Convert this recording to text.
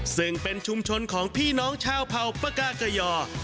ซึ่งเป็นชุมชนของพี่น้องชาวเผ่าปากากยอ